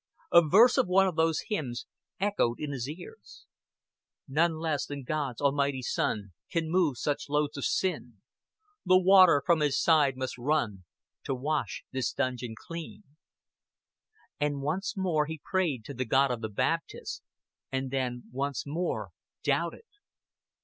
A verse of one of those hymns echoed in his ears: "None less than God's Almighty Son Can move such loads of sin; The water from His side must run, To wash this dungeon clean." And once more he prayed to the God of the Baptists; and then once more doubted.